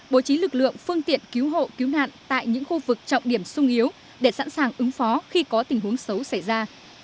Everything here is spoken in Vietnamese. bố trí lực lượng phương tiện cứu hộ cứu nạn tại những khu vực trọng điểm sung yếu để sẵn sàng ứng phó khi có tình huống xấu xảy ra